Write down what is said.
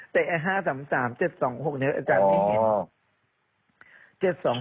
แต่ไอ้๕๓๓๗๒๖เนี่ยอาจารย์ไม่เห็น